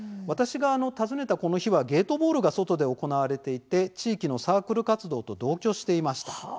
訪ねた日は、外でゲートボールが行われていて地域のサークル活動と同居していました。